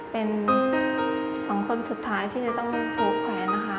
เป็นสองคนสุดท้ายที่จะต้องโทรแขวนนะคะ